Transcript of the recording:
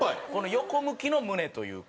横向きの胸というか。